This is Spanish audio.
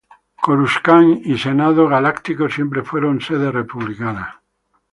Coruscant y el Senado Galáctico siempre fueron sede republicana.